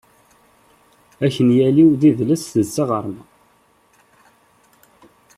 Akenyal-iw d idles, d taɣerma.